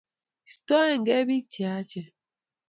Istoyenkei piik che yaachen.